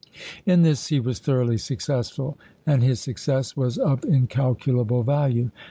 In this he was thoroughly successful, and his success was of incalculable value.